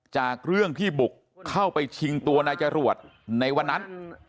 จากเรื่องที่บุกเข้าไปชิงตัวนายจรวดในวันนั้น